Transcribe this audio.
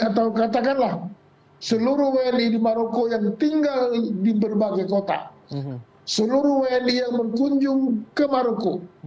atau katakanlah seluruh wni di maroko yang tinggal di berbagai kota seluruh wni yang berkunjung ke maroko